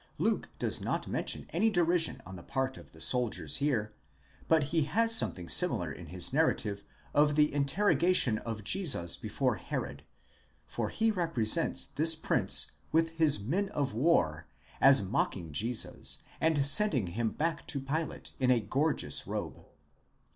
Luke does not mention any derision on the part of the soldiers here, but he has something similar in his narrative of the interrogation of Jesus before Herod, for he represents this prince wth his men of war, σύν τοῖς στρατεύμασιν αὐτοῦ, as mocking Jesus, and sending him back to Pilate in a gorgeous robe, ἐσθὴς λαμπρά.